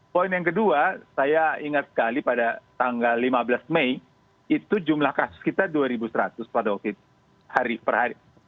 poin yang kedua saya ingat sekali pada tanggal lima belas mei itu jumlah kasus kita dua seratus pada waktu itu hari per hari